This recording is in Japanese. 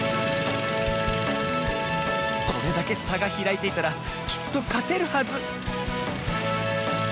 これだけさがひらいていたらきっとかてるはず